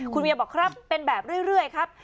คุณเวียบอกครับเป็นแบบเรื่อยครับ